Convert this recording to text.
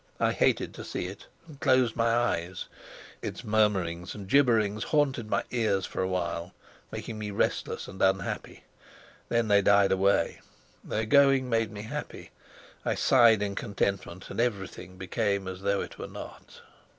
I hated to see it, and closed my eyes; its murmurings and gibberings haunted my ears for awhile, making me restless and unhappy; then they died away. Their going made me happy; I sighed in contentment; and everything became as though it were not.